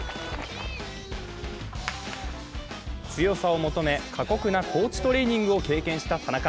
強さを求め過酷な高地トレーニングを経験した田中。